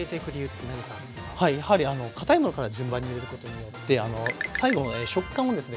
はいやはり堅いものから順番に入れることによって最後食感をですね